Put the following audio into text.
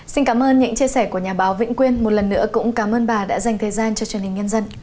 xin cảm ơn những chia sẻ của nhà báo vĩnh quyên một lần nữa cũng cảm ơn bà đã dành thời gian cho truyền hình nhân dân